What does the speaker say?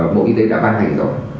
bộ y tế đã ban hành rồi